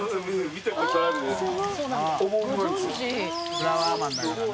フラワーマンだからな。